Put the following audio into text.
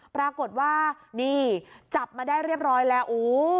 ปรากฏว่านี่จับมาได้เรียบร้อยแล้วโอ้